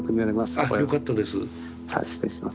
あっよかったです。